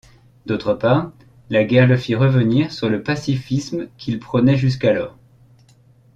D'autre part, la Guerre le fit revenir sur le pacifisme qu'il prônait jusqu'alors.